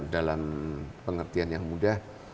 dalam pengertian yang mudah